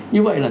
như vậy là